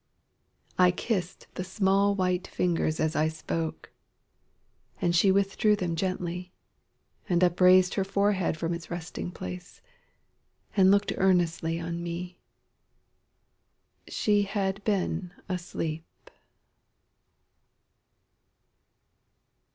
I kissed the small white fingers as I spoke, And she withdrew them gently, and upraised Her forehead from its resting place, and looked Earnestly on me She had been asleep!